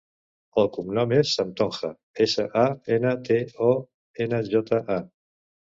El cognom és Santonja: essa, a, ena, te, o, ena, jota, a.